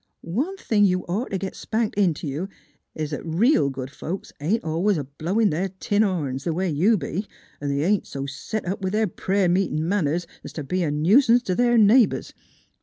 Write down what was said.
One thing you'd ought t' git spanked int' you is 'at real good folks ain't always blowin' their tin horns, th' way you be. 'N' they ain't so set up with their pray'r meetin' manners 's t' be a nui sance t' their neighbors.